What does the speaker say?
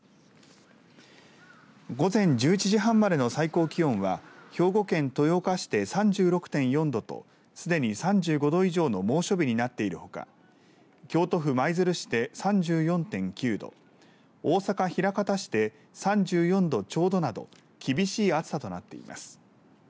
午前１１時半までの最高気温は兵庫県豊岡市で３６．４度とすでに３５度以上の猛暑日になっているほか京都府舞鶴市で３４．９度大阪枚方市で３４度ちょうどなど厳しい暑さとなっています。